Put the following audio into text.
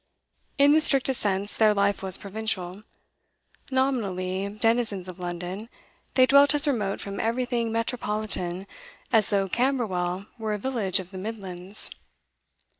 In the strictest sense their life was provincial; nominally denizens of London, they dwelt as remote from everything metropolitan as though Camberwell were a village of the Midlands.